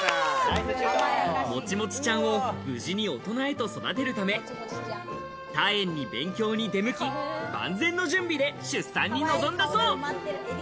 もちもちちゃんを無事に大人へと育てるため、他園に勉強に出向き、万全の準備で出産に臨んだそう。